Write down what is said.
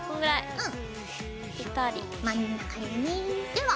うん。